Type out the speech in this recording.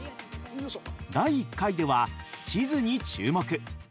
第１回では地図に注目。